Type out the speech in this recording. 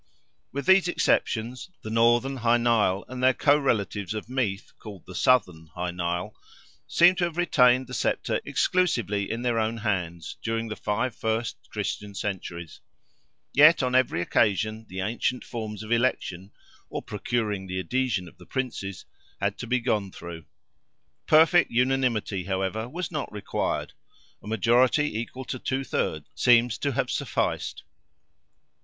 With these exceptions, the northern Hy Nial, and their co relatives of Meath, called the southern Hy Nial, seem to have retained the sceptre exclusively in their own hands, during the five first Christian centuries. Yet on every occasion, the ancient forms of election, (or procuring the adhesion of the Princes), had to be gone through. Perfect unanimity, however, was not required; a majority equal to two thirds seems to have sufficed.